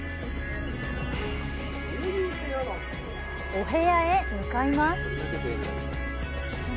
お部屋へ向かいます。